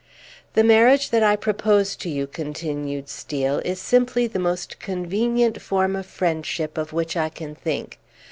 "The marriage that I propose to you," continued Steel, "is simply the most convenient form of friendship of which I can think.